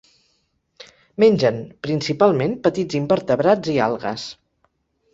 Mengen, principalment, petits invertebrats i algues.